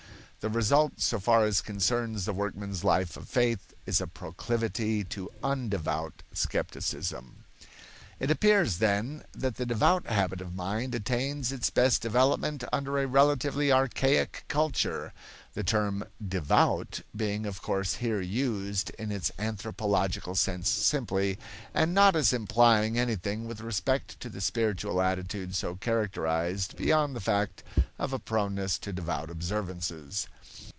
The result, so far as concerts the workman's life of faith, is a proclivity to undevout scepticism. It appears, then, that the devout habit of mind attains its best development under a relatively archaic culture; the term "devout" being of course here used in its anthropological sense simply, and not as implying anything with respect to the spiritual attitude so characterized, beyond the fact of a proneness to devout observances.